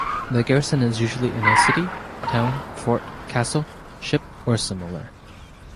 The garrison is usually in a city, town, fort, castle, ship or similar.